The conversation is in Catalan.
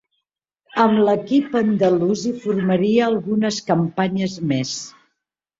Amb l'equip andalús hi formaria algunes campanyes més.